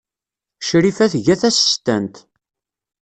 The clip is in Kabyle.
Crifa tga tasestant.